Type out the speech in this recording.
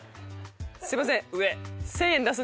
すいません。